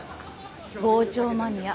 傍聴マニア。